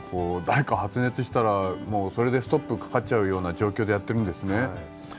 誰か発熱したらもうそれでストップかかっちゃうような状況でやってるんですね。